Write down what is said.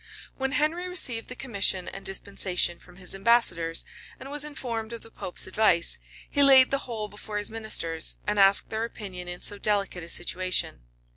} When Henry received the commission and dispensation from his ambassadors, and was informed of the pope's advice, he laid the whole before his ministers, and asked their opinion in so delicate a situation.